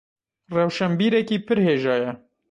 Rewşenbîrekî pir hêja ye.